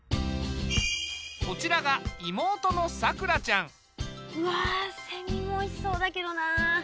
こちらが妹のさくらちゃん。わセミもおいしそうだけどな。